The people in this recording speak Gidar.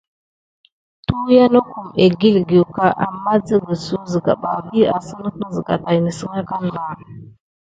Tuyiya nokum ekikucka aman tikisuk siga ɓa vi asine nesine.